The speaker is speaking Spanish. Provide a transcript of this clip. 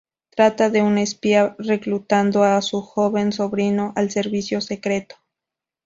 Trata de un espía reclutando a su joven sobrino al servicio secreto.